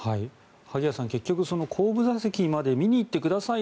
萩谷さん、結局後部座席まで見に行ってください